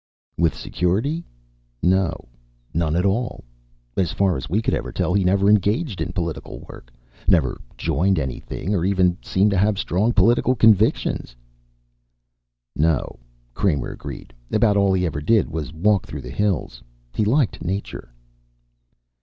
"With Security? No, none at all. As far as we could tell he never engaged in political work, never joined anything or even seemed to have strong political convictions." "No," Kramer, agreed. "About all he ever did was walk through the hills. He liked nature."